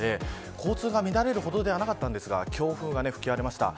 交通が乱れるほどではありませんでしたが強風が吹き荒れました。